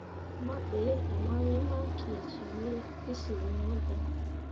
Mah be ah mawin ma kee suu ye kəsyil ŋwəə daŋ.